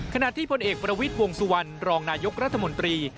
ขณะที่พลเอกประวิทย์วงสุวรรณรองนายกรัฐมนตรี